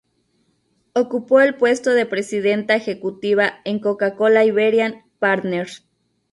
Ocupó el puesto de presidenta ejecutiva en Coca-Cola Iberian Partners.